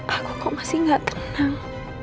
aku kok masih gak tenang